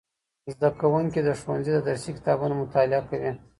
زدهکوونکي د ښوونځي د درسي کتابونو مطالعه کوي.